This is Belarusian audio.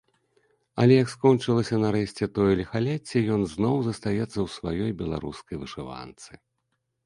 Але як скончылася нарэшце тое ліхалецце, ён зноў застаецца ў сваёй беларускай вышыванцы.